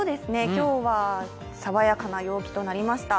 今日はさわやかな陽気となりました。